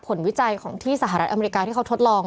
เพื่อไม่ให้เชื้อมันกระจายหรือว่าขยายตัวเพิ่มมากขึ้น